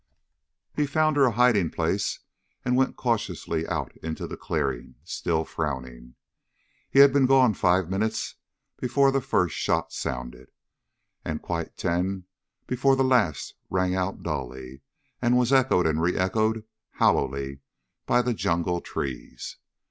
He found her a hiding place and went cautiously out into the clearing, still frowning. He had been gone five minutes before the first shot sounded, and quite ten before the last rang out dully, and was echoed and re echoed hollowly by the jungle trees.